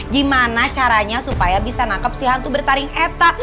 gimana caranya supaya bisa nangkep si hantu bertaring eta